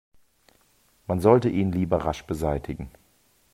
Man sollte ihn lieber rasch beseitigen.